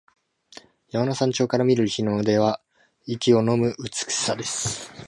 山の頂上から見る日の出は息をのむ美しさです。